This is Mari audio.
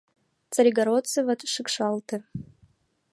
Царегородцеват шикшалте.